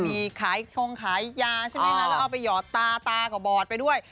มีขายทงขายยาใช่ไหมคะแล้วเอาไปหยอดตาตาก็บอดไปด้วย